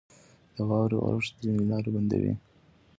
• د واورې اورښت ځینې لارې بندوي.